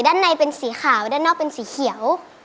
ด้านในเป็นสีขาวด้านนอกเป็นสีเขียว